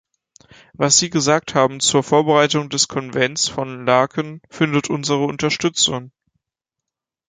Was Sie gesagt haben zur Vorbereitung des Konvents von Laeken, findet unsere Unterstützung.